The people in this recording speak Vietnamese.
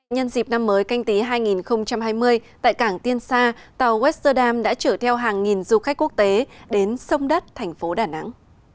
nhân dịp năm mới canh tí hai nghìn hai mươi tại cảng tiên sa tàu westerdam đã chở theo hàng nghìn du khách quốc tế đến sông đất thành phố đà nẵng